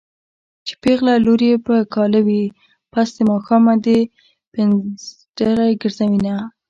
چې پېغله لور يې په کاله وي پس د ماښامه دې پنځډزی ګرځوينه